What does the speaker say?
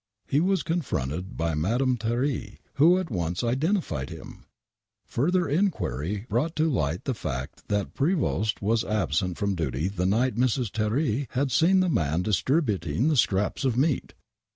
He was confronted with Madame Thierry, who at once identi fied him ! Further enquiry brought to light the fact that Prevost was absent from duty the night Mrs. Thierry had seen the man dis tributing the scraps of meat